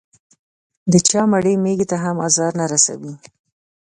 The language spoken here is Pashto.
د چا مړې مېږې ته هم ازار نه رسوي.